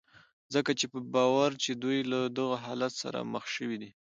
ځکه چې په باور يې دوی له دغه حالت سره مخ شوي دي.